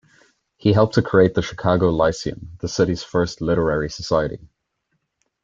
He helped to create the Chicago Lyceum, the city's first literary society.